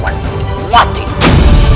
mereka akan mati